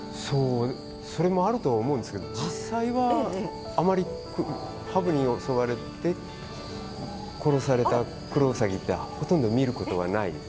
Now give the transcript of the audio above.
それもあると思いますが実際は、あまりハブに襲われて殺されたクロウサギってほとんど見ることはないんです。